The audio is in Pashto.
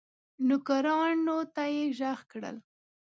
نوکرانو ته یې ږغ کړل